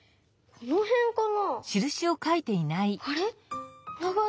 このへんかな？